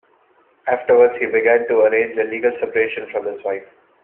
Afterwards, he began to arrange a legal separation from his wife.